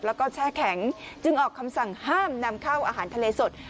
แล้วก็แช่แข็งจึงออกคำสั่งห้ามนำเข้าอาหารทะเลสด